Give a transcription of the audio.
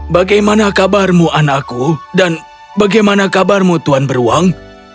bagaimana kabarmu anakku dan bagaimana kabarmu tuhan beruang